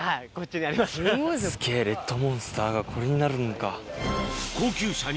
すげぇレッドモンスターがこれになるのか。